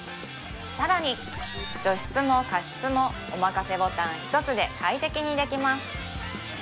更に除湿も加湿もおまかせボタン１つで快適にできます